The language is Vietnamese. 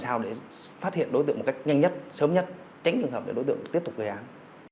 thao để phát hiện đối tượng một cách nhanh nhất sớm nhất tránh trường hợp để đối tượng tiếp tục gây án